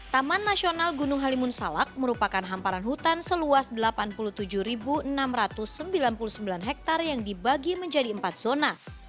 taman nasional gunung halimun salak merupakan hamparan hutan seluas delapan puluh tujuh enam ratus sembilan puluh sembilan hektare yang dibagi menjadi empat zona